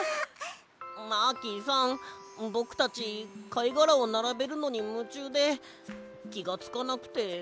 マーキーさんぼくたちかいがらをならべるのにむちゅうできがつかなくて。